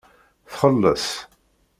Txelleṣ.